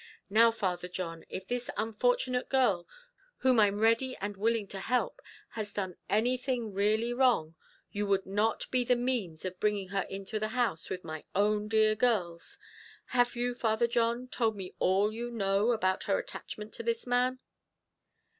Now, Father John, if this unfortunate girl, whom I'm ready and willing to help, has done anything really wrong, you would not be the means of bringing her into the house with my own dear girls! Have you, Father John, told me all you know about her attachment to this man?"